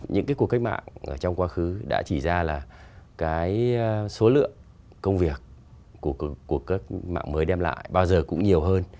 những cái cuộc cách mạng trong quá khứ đã chỉ ra là cái số lượng công việc của các mạng mới đem lại bao giờ cũng nhiều hơn